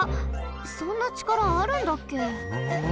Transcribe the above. そんなちからあるんだっけ？